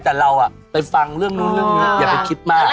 แต่เราไปฟังเรื่องนู้นอย่าไปคิดมาก